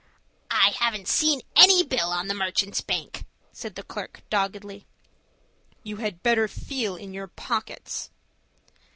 "I haven't seen any bill on the Merchants' Bank," said the clerk, doggedly. "You had better feel in your pockets."